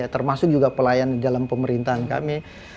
termasuk juga pelayan di dalam pemerintahan kami